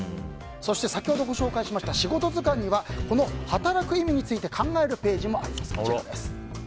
先ほどご紹介しました「仕事図鑑」には働く意味について考えるページもあります。